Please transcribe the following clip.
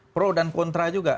pro dan kontra juga